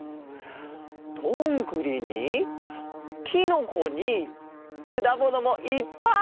どんぐりにキノコにくだものもいっぱい！